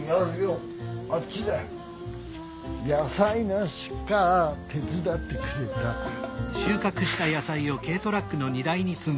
野菜の出荷手伝ってくれたら。